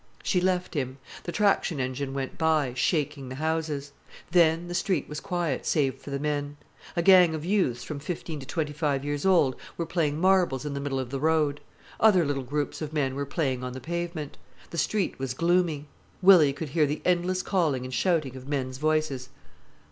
She left him. The traction engine went by, shaking the houses. Then the street was quiet, save for the men. A gang of youths from fifteen to twenty five years old were playing marbles in the middle of the road. Other little groups of men were playing on the pavement. The street was gloomy. Willy could hear the endless calling and shouting of men's voices.